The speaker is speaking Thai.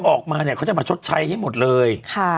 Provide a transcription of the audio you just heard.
ออกมาจะมาชดชัยให้หมดเลย